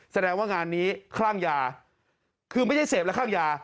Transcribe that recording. แสดงว่างานนี้คลั่งยาคือไม่ใช่เสพและคลั่งยา